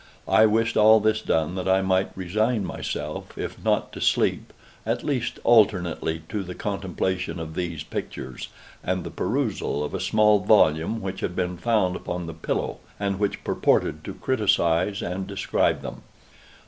I wished all this done that I might resign myself, if not to sleep, at least alternately to the contemplation of these pictures, and the perusal of a small volume which had been found upon the pillow, and which purported to criticise and describe them.